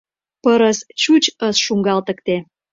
— Пырыс чуч ыш шуҥгалтыкте!